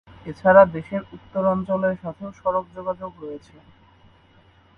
এছাড়া দেশের উত্তরাঞ্চলের সাথেও সড়ক যোগাযোগ রয়েছে।